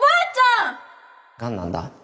がんなんだ。